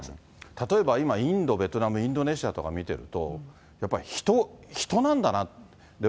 例えば、今、インド、ベトナム、インドネシアとか見てると、やっぱり、人、人なんだなって。